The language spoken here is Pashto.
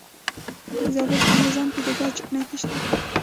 د زابل په میزانه کې د ګچ نښې شته.